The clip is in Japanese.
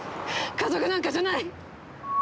家族なんかじゃない！